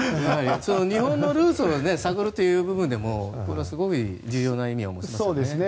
日本のルーツを探るという部分でもすごい重要な意味を持ちますよね。